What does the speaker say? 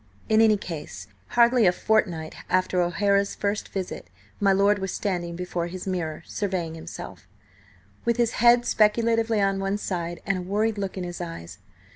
In any case, hardly a fortnight after O'Hara's first visit, my lord was standing before his mirror, surveying himself, with his head speculatively on one side and a worried look in his eyes.